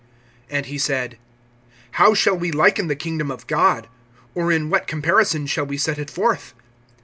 (30)And he said: How shall we liken the kingdom of God, or in what comparison shall we set it forth?